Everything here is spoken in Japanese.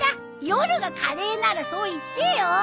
夜がカレーならそう言ってよ。